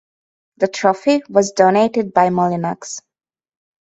The trophy was donated by Molinex.